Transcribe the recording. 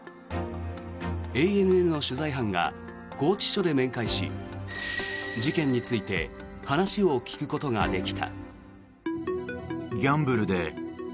ＡＮＮの取材班が拘置所で面会し事件について話を聞くことができた。